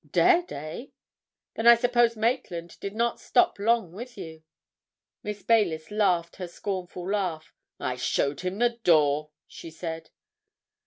"Dead, eh? Then I suppose Maitland did not stop long with you?" Miss Baylis laughed her scornful laugh. "I showed him the door!" she said.